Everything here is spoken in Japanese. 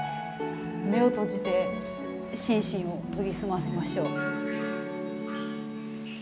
目を閉じて心身を研ぎ澄ませましょう。